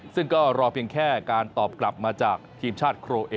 ซึ่งก็รอเพียงแค่การตอบกลับมาจากทีมชาติโครเอเชียเท่านั้น